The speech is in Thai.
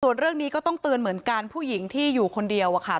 ส่วนเรื่องนี้ก็ต้องเตือนเหมือนกันผู้หญิงที่อยู่คนเดียวอะค่ะ